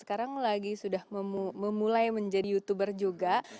sekarang lagi sudah memulai menjadi youtuber juga